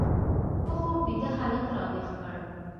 په خوب بیده هلک راویښ کړ